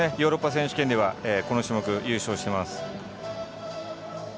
ヨーロッパ選手権ではこの種目優勝してます。